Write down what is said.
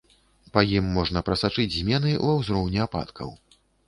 Па ім можна прасачыць змены ва ўзроўні ападкаў.